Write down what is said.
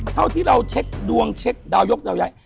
เท่าที่เราเช็คดวงเช็คดาวยกดาวย้าย